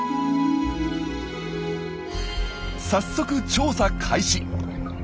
早速調査開始。